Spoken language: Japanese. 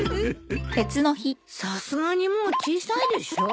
さすがにもう小さいでしょ。